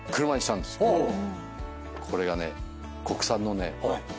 これがね。